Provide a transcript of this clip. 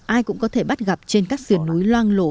ai cũng có thể bắt gặp trên các xuyên núi loang lộ